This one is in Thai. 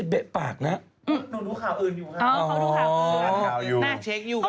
อ๋อเค้าดูค่าวุ้